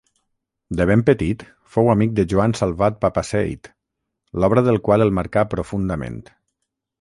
De ben petit fou amic de Joan Salvat-Papasseit, l'obra del qual el marcà profundament.